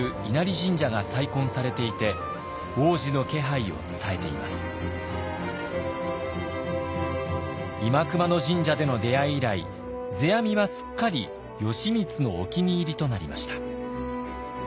新熊野神社での出会い以来世阿弥はすっかり義満のお気に入りとなりました。